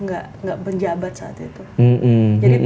gak gak penjabat saat itu